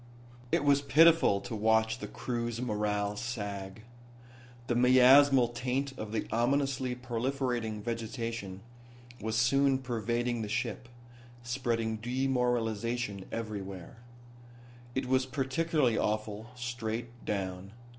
It was pitiful to watch the crew's morale sag. The miasmal taint of the ominously proliferating vegetation was soon pervading the ship, spreading demoralization everywhere. It was particularly awful straight down.